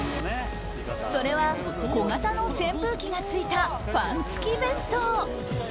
それは、小型の扇風機が付いたファン付きベスト。